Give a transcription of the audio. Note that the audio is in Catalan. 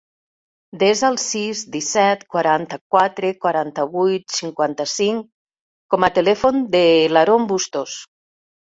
Desa el sis, disset, quaranta-quatre, quaranta-vuit, cinquanta-cinc com a telèfon de l'Aron Bustos.